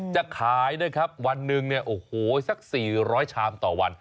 จะขายนะครับวันหนึ่งเนี่ยโอ้โหสัก๔๐๐ชามต่อวัน